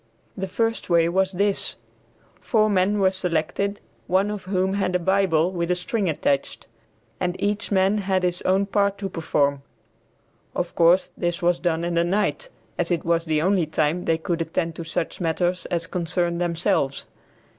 The first way was this: four men were selected, one of whom had a Bible with a string attached, and each man had his own part to perform. Of course this was done in the night as it was the only time they could attend to such matters as concerned themselves.